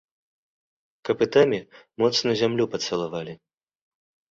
Капытамі моцна зямлю пацалавалі.